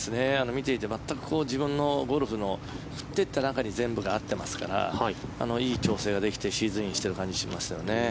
見ていて、全く自分のゴルフの振っていった中に全部が合っていますからいい調整ができてシーズンインしている感じがしますよね。